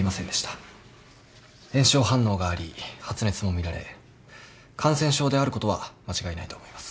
炎症反応があり発熱も見られ感染症であることは間違いないと思います。